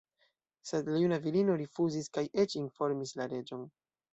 Sed la juna virino rifuzis kaj eĉ informis la reĝon.